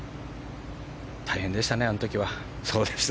大変でしたね、あの時は。